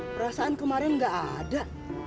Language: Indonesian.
perasaan kemarin nggak ada